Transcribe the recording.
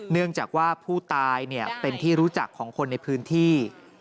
เนื่องจากว่าผู้ตายเป็นที่รู้จักของคนในพื้นที่